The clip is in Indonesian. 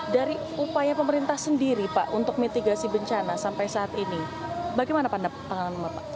dari upaya pemerintah sendiri pak untuk mitigasi bencana sampai saat ini bagaimana pandangan bapak